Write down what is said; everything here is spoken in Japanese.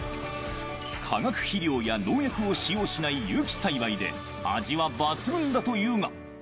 化学肥料や農薬を使用しない有機栽培で、味は抜群だというが。